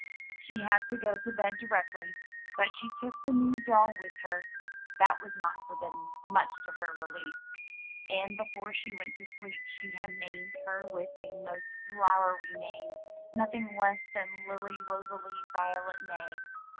She had to go to bed directly, but she took the new doll with her — that was not forbidden, much to her relief. And be fore she went to sleep she had named her with a most flowery name, nothing less than Lily Rosalie Violet May.